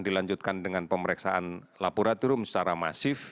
dilanjutkan dengan pemeriksaan laboratorium secara masif